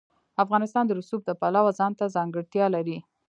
افغانستان د رسوب د پلوه ځانته ځانګړتیا لري.